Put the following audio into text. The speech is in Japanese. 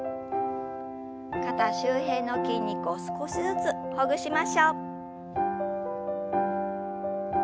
肩周辺の筋肉を少しずつほぐしましょう。